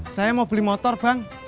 saya mau beli motor bang